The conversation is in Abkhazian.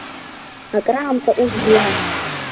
Акраамҭа ус диан.